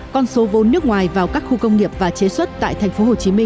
con số vốn nước ngoài vào các khu công nghiệp và chế xuất tại tp hcm